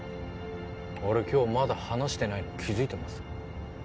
俺今日まだ話してないの気づいてます？